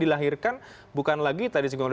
mengakhirkan bukan lagi tadi singgung di